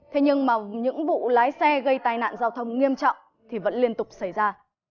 thế nhưng mà những vụ lái xe gây tai nạn giao thông nghiêm trọng thì vẫn liên tục xảy ra